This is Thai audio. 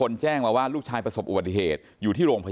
แล้วหลังจากนั้นเราขับหนีเอามามันก็ไล่ตามมาอยู่ตรงนั้น